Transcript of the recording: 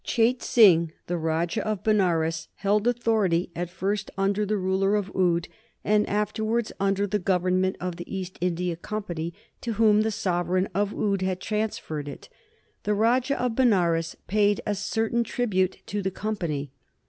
Chait Singh, the Rajah of Benares, held authority at first under the ruler of Oude, and afterwards under the government of the East India Company, to whom the sovereign of Oude had transferred it. The Rajah of Benares paid a certain tribute to the Company.